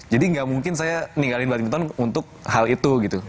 jadi nggak mungkin saya ninggalin badminton untuk hal itu gitu